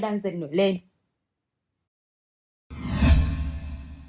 các số liệu được cdc công bố